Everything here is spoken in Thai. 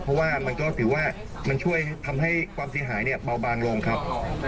เพราะว่ามันก็ถือว่ามันช่วยทำให้ความเสียหายเนี่ยเบาบางลงครับ